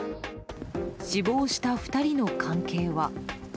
死亡した２人の関係は？